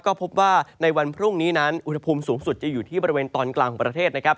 ก็พบว่าในวันพรุ่งนี้นั้นอุณหภูมิสูงสุดจะอยู่ที่บริเวณตอนกลางของประเทศนะครับ